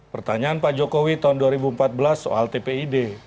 pertanyaan pak jokowi tahun dua ribu empat belas soal tpid